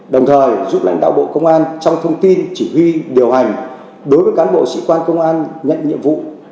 đồng thời giúp lãnh đạo bộ công an trong thông tin chỉ huy điều hành đối với cán bộ sĩ quan công an nhận nhiệm vụ